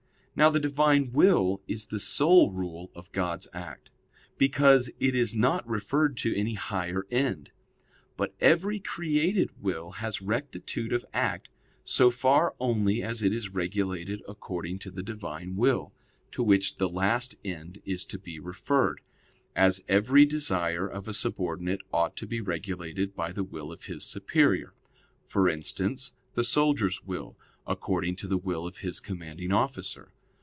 Now the Divine will is the sole rule of God's act, because it is not referred to any higher end. But every created will has rectitude of act so far only as it is regulated according to the Divine will, to which the last end is to be referred: as every desire of a subordinate ought to be regulated by the will of his superior; for instance, the soldier's will, according to the will of his commanding officer.